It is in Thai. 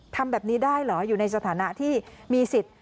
ทำแบบนี้ได้เหรออยู่ในสถานะที่มีสิทธิ์